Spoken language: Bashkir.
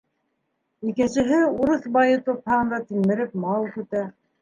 Икенсеһе урыҫ байы тупһаһында тилмереп мал көтә.